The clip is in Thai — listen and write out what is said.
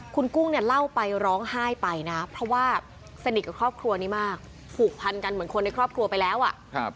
คุณกุ้งเนี่ยเล่าไปร้องไห้ไปนะเพราะว่าสนิทกับครอบครัวนี้มากผูกพันกันเหมือนคนในครอบครัวไปแล้วอ่ะ